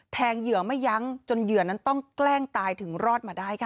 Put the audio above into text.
เหยื่อไม่ยั้งจนเหยื่อนั้นต้องแกล้งตายถึงรอดมาได้ค่ะ